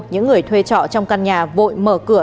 những người thuê trọ trong căn nhà vội mở cửa